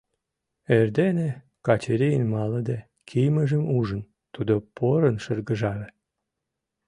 Эрдене, Качырийын малыде киймыжым ужын, тудо порын шыргыжале: